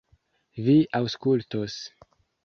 Vi aŭskultos!